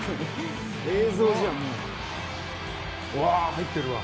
入ってるわ。